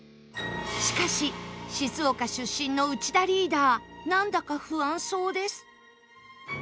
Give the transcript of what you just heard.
しかし静岡出身の内田リーダーなんだか不安そうです